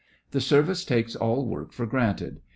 The Service takes all work for granted.